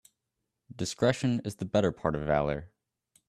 Discretion is the better part of valour.